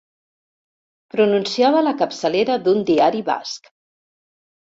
Pronunciava la capçalera d'un diari basc.